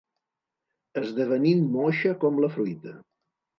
Esdevenint moixa com la fruita.